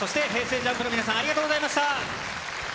ＪＵＭＰの皆さん、ありがとうございました。